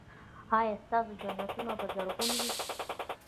ایا ستاسو جنتونه به زرغون وي؟